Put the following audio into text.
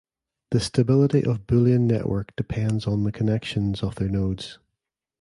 The stability of Boolean network depends on the connections of their nodes.